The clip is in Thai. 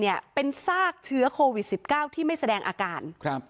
๓ใน๔เป็นซากเชื้อโควิด๑๙ที่ไม่แสดงอาการ